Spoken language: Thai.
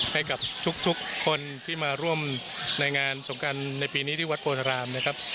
ให้กับทุกคนที่มาร่วมในงานสงการในปีนี้ที่วัดโพนรามนะครับ